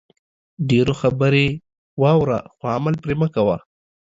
ډېرو خبرې واوره خو عمل مه پرې کوئ